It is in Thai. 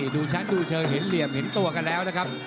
ดูชั้นดูเชิงเห็นเหลี่ยมเห็นตัวกันแล้วนะครับ